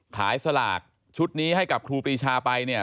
สลากชุดนี้ให้กับครูปรีชาไปเนี่ย